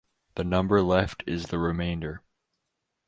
The number left is the remainder.